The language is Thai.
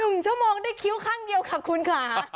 ๑ชั่วโมงได้คิ้วข้างเดียวค่ะคุณค่ะ